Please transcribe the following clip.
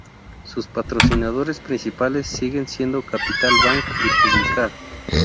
Sus patrocinadores principales siguen siendo Capital Bank y Publicar.